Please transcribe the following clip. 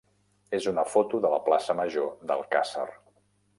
és una foto de la plaça major d'Alcàsser.